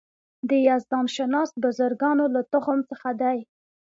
د یزدان شناس بزرګانو له تخم څخه دی.